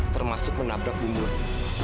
termasuk menabrak bu murni